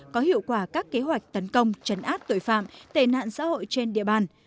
có hiệu quả các kế hoạch tấn công chấn át tội phạm tên hạn xã hội trên địa bàn